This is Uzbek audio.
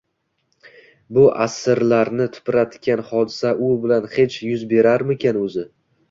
Bu asrlarni titratgan hodisa u bilan hech yuz berarmikin o`zi